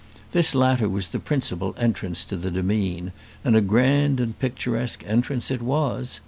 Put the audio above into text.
This latter was the principal entrance to the demesne, and a grand and picturesque entrance it was.